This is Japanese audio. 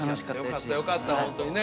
よかったよかったホントにね。